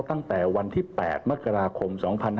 ตั้งแต่วันที่๘มกราคม๒๕๖๒